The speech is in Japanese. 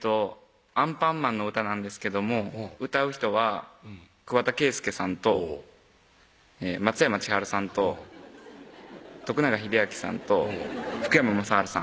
アンパンマンの歌なんですけども歌う人は桑田佳祐さんと松山千春さんと永明さんと福山雅治さん